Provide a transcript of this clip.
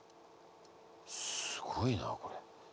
すごいなこれ。